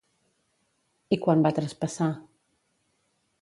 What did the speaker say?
I quan va traspassar?